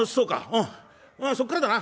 うんそっからだな。